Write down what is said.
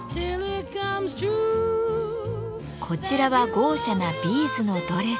こちらは豪奢なビーズのドレス。